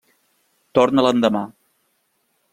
Torna l'endemà.